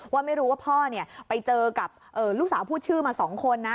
ว่าไม่รู้ว่าพ่อไปเจอกับลูกสาวพูดชื่อมา๒คนนะ